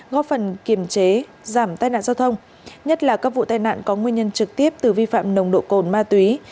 góp phần kiềm chế giảm tai nạn giao thông nhất là các vụ tai nạn có nguyên nhân trực tiếp từ vi phạm nồng độ cồn ma túy